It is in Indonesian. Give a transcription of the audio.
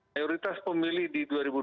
prioritas pemilih di dua ribu dua puluh empat